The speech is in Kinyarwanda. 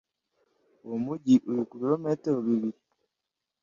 uwo mujyi uri ku bilometero bibiri